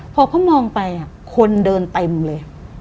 พอเขามองไปคนเดินเต็มเลย